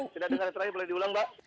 tidak ada yang terakhir boleh diulang pak